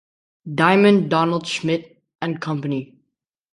Diamond, Donald Schmitt and Company.